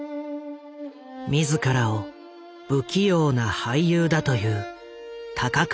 自らを不器用な俳優だと言う高倉健。